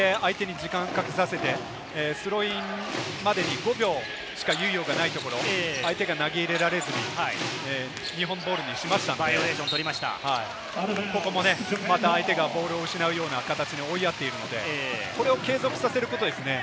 今もディフェンスで相手に時間かけさせて、スローインまでに５秒しか猶予がないところ、相手が投げ入れられずに、日本ボールにしましたんで、ここも相手がボールを失うような形に追いやっているので、これを継続させることですね。